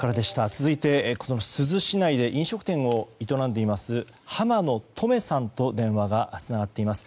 続いて、この珠洲市内で飲食店を営んでいます浜野トメさんと電話がつながっています。